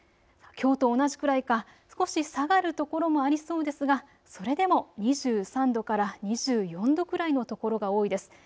きょうと同じくらいか少し下がるところもありそうですが、それでも２３度から２４度くらいの所が多いです。